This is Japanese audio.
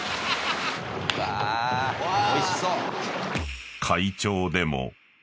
うわおいしそう！